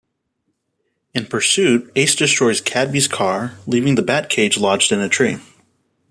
In pursuit, Ace destroys Cadby's car, leaving the bat cage lodged in a tree.